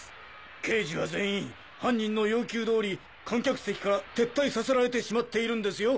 刑事は全員犯人の要求通り観客席から撤退させられてしまっているんですよ。